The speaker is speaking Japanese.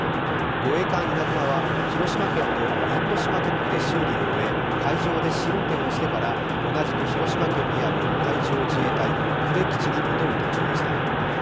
護衛艦「いなづま」は広島県の因島ドックで修理を終え会場で試運転をしてから同じく広島県にある海上自衛隊・呉基地に戻る途中でした。